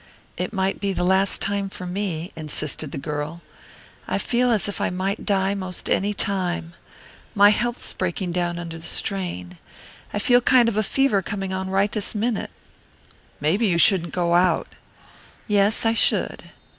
"It might be the last time for me," insisted the girl. "I feel as if I might die most any time. My health's breaking down under the strain. I feel kind of a fever coming on right this minute." "Maybe you shouldn't go out." "Yes, I should."